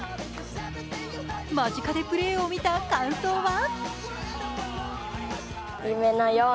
間近でプレーを見た感想は？